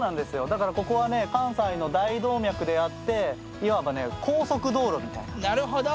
だからここはね関西の大動脈であっていわばねなるほど！